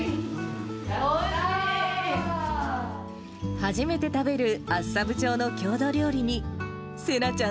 初めて食べる厚沢部町の郷土料理に、せなちゃん、